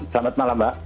selamat malam mbak